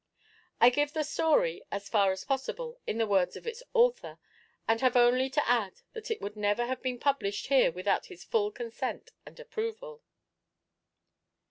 I give the story, as far as possible, in the words of its author; and have only to add that it would never have been published here without his full consent and approval.